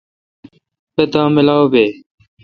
پتا ملاو بی۔